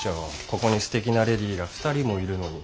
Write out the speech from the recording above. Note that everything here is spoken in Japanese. ここにすてきなレディーが２人もいるのに。